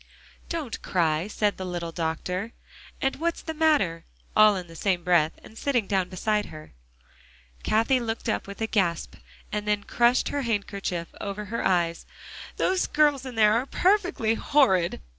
"Don't cry," said the little doctor, "and what's the matter?" all in the same breath, and sitting down beside her. Cathie looked up with a gasp, and then crushed her handkerchief over her eyes. "Those girls in there are perfectly horrid."